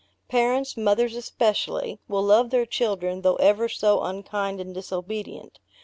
Parents, mothers especially, will love their children, though ever so unkind and disobedient.